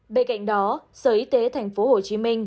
bên cạnh đó sở y tế tp hcm